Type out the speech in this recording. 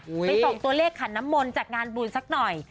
ไปส่งตัวเลขขันน้ำมนต์จากงานบุญสักหน่อย